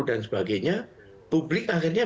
dan sebagainya publik akhirnya